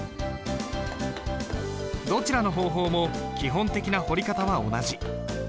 どちらの方法も基本的な彫り方は同じ。